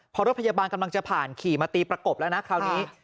พอรถพยาบาลกำลังจะผ่านขี่มาตีประกบแล้วนะคราวนี้